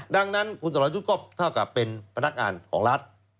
ดังนั้นคุณสรยุทธ์ก็เท่ากับเป็นพนักงานของรัฐ